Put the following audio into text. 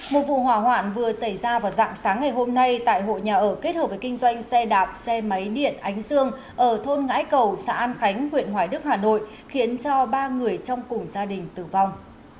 một vụ hỏa hoạn vừa xảy ra vào dạng sáng ngày hôm nay tại hội nhà ở kết hợp với kinh doanh xe đạp xe máy điện ánh dương ở thôn ngãi cầu xã an khánh huyện hoài đức hà nội khiến cho ba người trong cùng gia đình tử vong